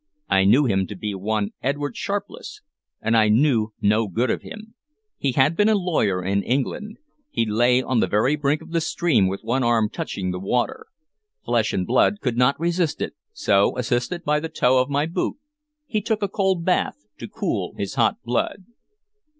I knew him to be one Edward Sharpless, and I knew no good of him. He had been a lawyer in England. He lay on the very brink of the stream, with one arm touching the water. Flesh and blood could not resist it, so, assisted by the toe of my boot, he took a cold bath to cool his hot blood.